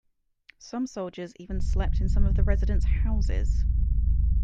Some soldiers even slept in some of the residents' houses.